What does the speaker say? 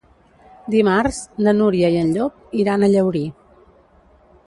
Dimarts na Núria i en Llop iran a Llaurí.